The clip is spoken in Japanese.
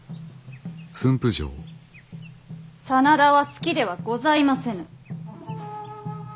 真田は好きではございませぬ。